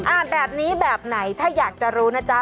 แบบนี้แบบไหนถ้าอยากจะรู้นะจ๊ะ